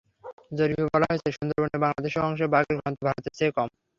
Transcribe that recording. জরিপে বলা হয়েছে, সুন্দরবনের বাংলাদেশ অংশে বাঘের ঘনত্ব ভারতের চেয়ে কম।